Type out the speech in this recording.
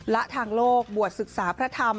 และทางโลกบวชศึกษาพระธรรม